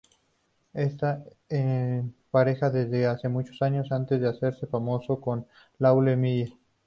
Está en pareja desde hace muchos años, antes de hacerse famoso, con Lauren Miller.